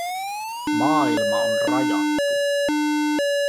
Maailma on rajattu.